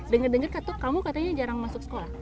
dengar dengar katuk kamu katanya jarang masuk sekolah